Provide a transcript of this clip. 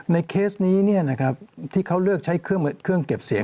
เคสนี้ที่เขาเลือกใช้เครื่องเก็บเสียง